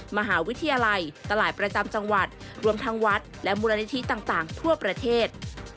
มหาวิทยาลัยตลาดประจำจังหวัดรวมทั้งวัดและมูลนิธิต่างทั่วประเทศ